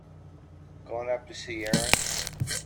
Going up to see Erin.